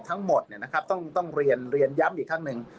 ทั้งหมดเนี่ยนะครับต้องต้องเรียนเรียนย้ำอีกครั้งหนึ่ง